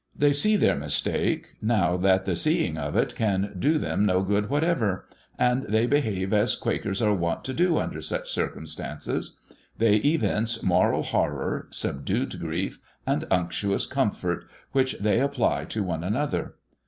They see their mistake, now that the seeing of it can do them no good whatever, and they behave as quakers are wont to do under such circumstances. They evince moral horror, subdued grief, and unctuous comfort, which they apply to one another.